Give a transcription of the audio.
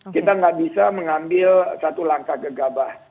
kita nggak bisa mengambil satu langkah gegabah